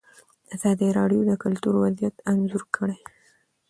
ازادي راډیو د کلتور وضعیت انځور کړی.